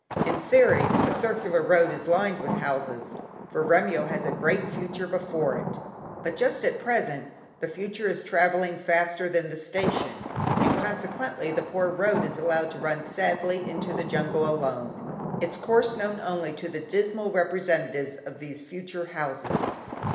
In theory, the circular road is lined with houses, for Remyo has a great future before it; but just at present, the future is travelling faster than the station, and consequently the poor road is allowed to run sadly into the jungle alone, its course known only to the dismal representatives of these future houses.